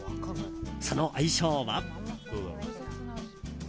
その相性は。